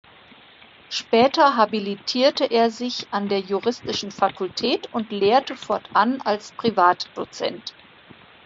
Später habilitierte er sich an der Juristischen Fakultät und lehrte fortan als Privatdozent.